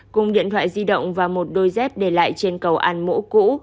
cùng điện thoại di động và một đôi dép để lại trên cầu an mẫu cũ